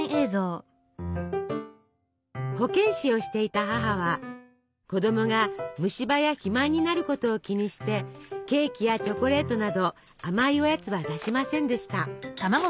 保健師をしていた母は子どもが虫歯や肥満になることを気にしてケーキやチョコレートなど甘いおやつは出しませんでした。